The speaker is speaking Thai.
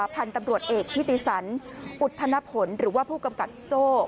ท่านตำรวจเอกพิธีสรรค์อุทธนพลหรือว่าผู้กำกัดโจ๊ก